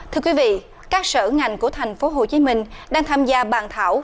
thưa quý vị các sở ngành của thành phố hồ chí minh đang tham gia bàn thảo